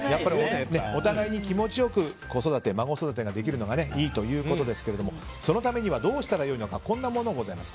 お互いに気持ちよく子育て、孫育てができるのがいいということですがそのためにはどうしたらいいのか。